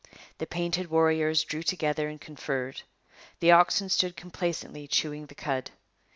The painted warriors drew together and conferred. The oxen stood complacently chewing the cud.